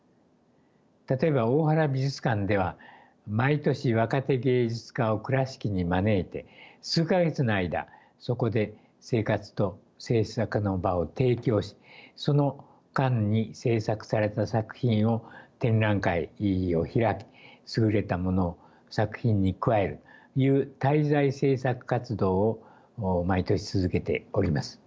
例えば大原美術館では毎年若手芸術家を倉敷に招いて数か月の間そこで生活と制作の場を提供しその間に制作された作品を展覧会を開き優れたものを作品に加えるという滞在制作活動を毎年続けております。